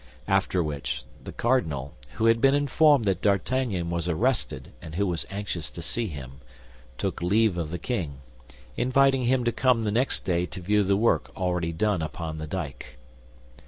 After which, the cardinal, who had been informed that D'Artagnan was arrested and who was anxious to see him, took leave of the king, inviting him to come the next day to view the work already done upon the dyke.